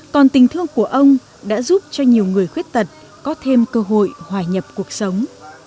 còn tình thương của ông đã giúp cho nhiều người khuyết tật có thêm cơ hội hòa nhập cuộc sống